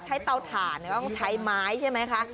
เตาถ่านต้องใช้ไม้ใช่ไหมคะ